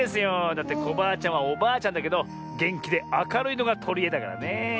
だってコバアちゃんはおばあちゃんだけどげんきであかるいのがとりえだからねえ。